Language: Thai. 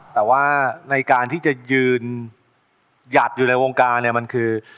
แต่ว่าในการที่จะยืนหยัดอยู่ในวงการเนี่ยมันคือ